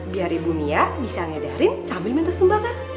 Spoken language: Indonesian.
biar ibu mia bisa ngadarin sambil minta sumbangan